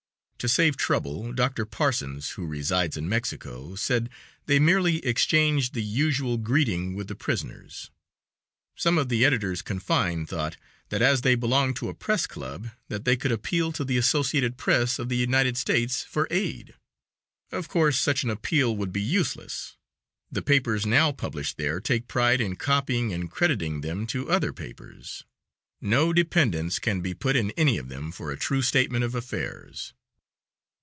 '" To save trouble, Dr. Parsons, who resides in Mexico, said they merely exchanged the usual greeting with the prisoners. Some of the editors confined thought, that as they belonged to a press club, that they could appeal to the Associated Press of the United States for aid. Of course, such an appeal would be useless; the papers now published there take pride in copying and crediting them to other papers. No dependence can be put in any of them for a true statement of affairs.